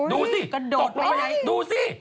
ดูสิตกลงไปดูสิกระโดดไป